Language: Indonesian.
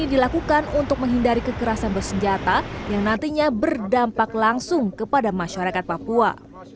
ini dilakukan untuk menghindari kekerasan bersenjata yang nantinya berdampak langsung kepada masyarakat papua